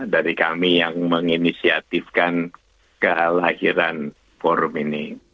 dari kami yang menginisiatifkan kehalahiran forum ini